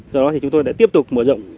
do đó thì chúng tôi đã tiếp tục mở rộng